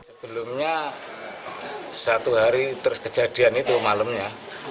sebelumnya satu hari terus kejadian itu malamnya